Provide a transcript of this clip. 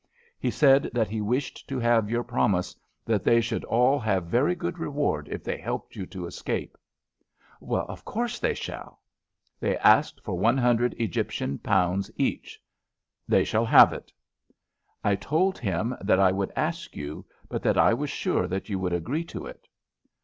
He said that he wished to have your promise that they should all have very good reward if they helped you to escape." "Of course they shall." "They asked for one hundred Egyptian pounds each." "They shall have it." "I told him that I would ask you, but that I was sure that you would agree to it."